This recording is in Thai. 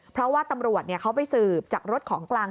เพราะว่าตำรวจเขาไปสืบจากรถของกลาง